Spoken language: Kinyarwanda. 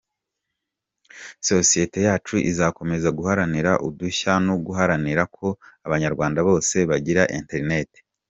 Sosiyete yacu izakomeza guharanira udushya no guharanira ko Abanyarwanda bose bagira internet.